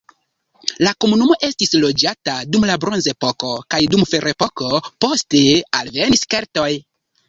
La komunumo estis loĝata dum la bronzepoko kaj dum ferepoko, poste alvenis keltoj.